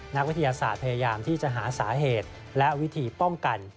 นักวิทยาศาสตร์พยายามที่จะหาสาเหตุและวิธีป้องกัน